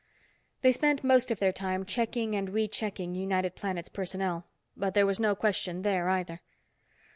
They spent most of their time checking and rechecking United Planets personnel, but there was no question there either.